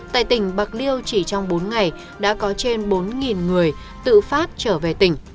tại tỉnh bạc liêu chỉ trong bốn ngày đã có trên bốn người tự phát trở về tỉnh